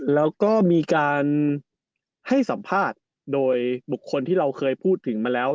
แล้วก็มีการให้สัมภาษณ์โดยบุคคลที่เราเคยพูดถึงมาแล้ว